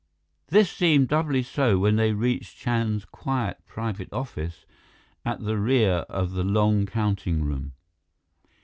This seemed doubly so when they reached Chand's quiet private office at the rear of the long counting room.